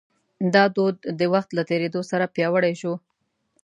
دا دود د وخت له تېرېدو سره پیاوړی شو.